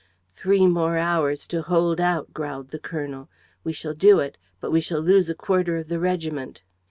"Three more hours to hold out," growled the colonel. "We shall do it; but we shall lose a quarter of the regiment."